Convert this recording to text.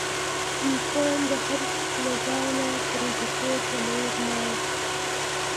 انسان د حرص او له ځانه پردیتوب په لور لاړ.